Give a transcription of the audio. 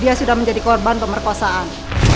dia sudah menjadi korban pemerkosaan